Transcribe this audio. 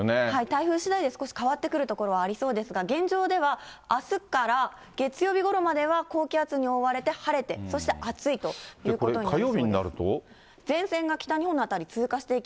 台風しだいで少し変わってくるところはありそうですが、現状では、あすから月曜日ごろまでは高気圧に覆われて晴れて、そして暑いということになりそうです。